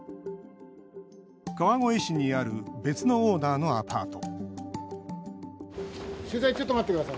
川越市にある別のオーナーのアパート